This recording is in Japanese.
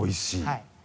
はい。